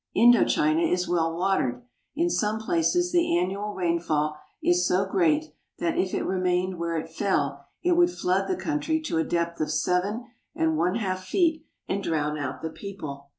Indo China is well watered. In some places the annual rainfall is so great that if it remained where it fell it would flood the country to a depth of seven and one half feet and drown out the people.